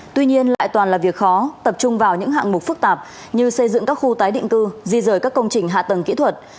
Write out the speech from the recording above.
tuy nhiên lại toàn là việc khó tập trung vào những hạng mục phức tạp như xây dựng các khu tái định cư di rời các công trình hạ tầng kỹ thuật